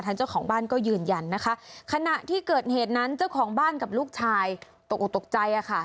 เจ้าของบ้านก็ยืนยันนะคะขณะที่เกิดเหตุนั้นเจ้าของบ้านกับลูกชายตกออกตกใจค่ะ